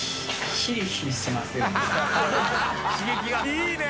いいね！